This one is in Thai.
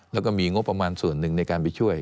แล้วก็มีงบประมาณส่วนหนึ่งในการไปช่วย